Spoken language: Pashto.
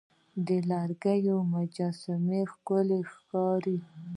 د لرګي مجسمې ښکلي ښکاري.